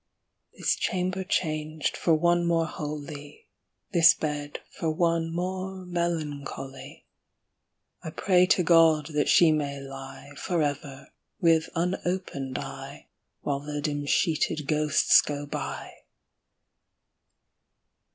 This chamber changed for one more holy, This bed for one more melancholy, I pray to God that she may lie For ever with unopened eye, While the dim sheeted ghosts go by!